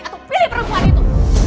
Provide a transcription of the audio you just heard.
atau pilih perempuan itu